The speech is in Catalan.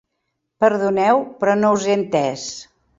Perdoneu, però no us he entès.